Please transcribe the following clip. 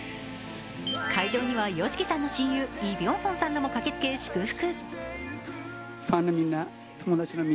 会場にはＹＯＳＨＩＫＩさんの親友、イ・ビョンホンさんらも駆けつけ祝福。